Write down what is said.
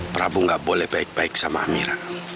prabu nggak boleh baik baik sama amira